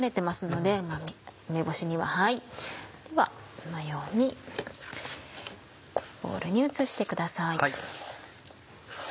このようにボウルに移してください。